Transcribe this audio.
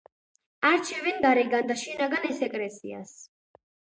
არჩევენ გარეგან და შინაგან სეკრეციას.